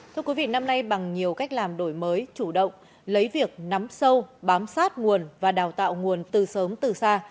thưa quý vị năm nay bằng nhiều cách làm đổi mới chủ động lấy việc nắm sâu bám sát nguồn và đào tạo nguồn từ sớm từ xa